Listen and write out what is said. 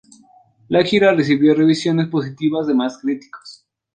La gira recibió revisiones positivas de más críticos.